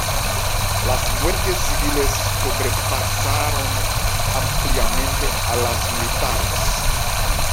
Las muertes civiles sobrepasaron ampliamente a las militares.